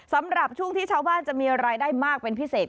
สำหรับช่วงที่ชาวบ้านจะมีรายได้มากเป็นพิเศษ